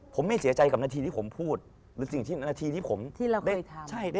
ผมไม่เสียใจกับนาทีที่ผมพูดหรือสิ่งที่นาทีที่ผมได้ทำ